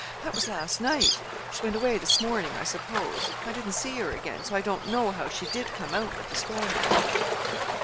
That was last night. She went away this morning, I suppose. I didn't see her again, so I don't know how she did come out with the store man."